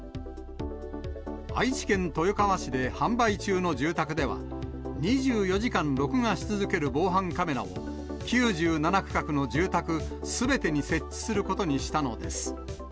愛知県豊川市で販売中の住宅では、２４時間録画し続ける防犯カメラを、９７区画の住宅すべてに設置することにしたのです。